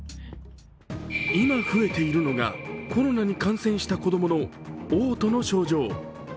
今増えているのが、コロナに感染した子供のおう吐の症状。